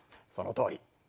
そのとおり！